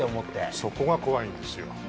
そこが怖いんですよ。